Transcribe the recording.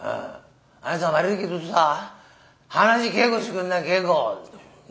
「あにさん悪いけどさ噺稽古してくんない稽古」。